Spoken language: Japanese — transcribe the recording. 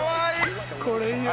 これいいよね。